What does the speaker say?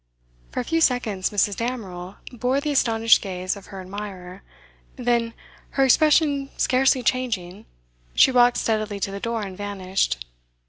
For a few seconds Mrs. Damerel bore the astonished gaze of her admirer, then, her expression scarcely changing, she walked steadily to the door and vanished.